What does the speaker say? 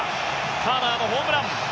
ターナーのホームラン。